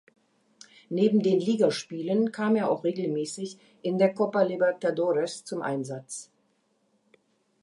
Neben den Ligaspielen kam er auch regelmäßig in der Copa Libertadores zum Einsatz.